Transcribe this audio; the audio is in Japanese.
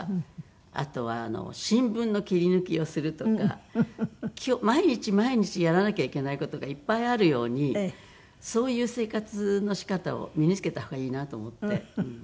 あとは新聞の切り抜きをするとか毎日毎日やらなきゃいけない事がいっぱいあるようにそういう生活の仕方を身につけた方がいいなと思って。